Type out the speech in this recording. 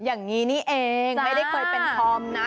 อย่างนี้นี่เองไม่ได้เคยเป็นธอมนะ